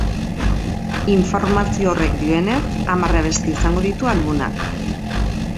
Informazio horrek dioenez, hamar abesti izango ditu albumak.